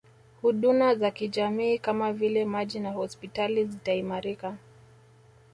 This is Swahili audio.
Huduna za kijamii kama vile maji na hospitali zitaimarika